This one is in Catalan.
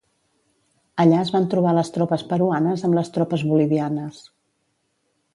Allà es van trobar les tropes peruanes amb les tropes bolivianes.